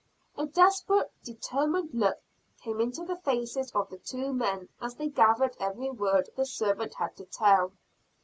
A desperate, determined look came into the faces of the two men as they gathered every word the servant had to tell.